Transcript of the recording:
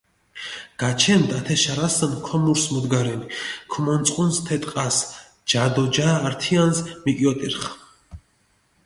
გაჩენდჷ ათე შარასჷნი, ქომურს მუგჷდენი, ქჷმონწყუნსჷ თე ტყასჷ, ჯა დო ჯა ართიანსჷ მიკიოტირხჷ.